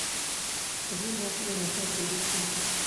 Sabun mar siling’ apar be nitie?